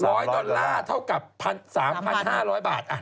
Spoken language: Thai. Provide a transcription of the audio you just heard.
ร้อยดอลลาร์เท่ากับสามพันห้าร้อยบาท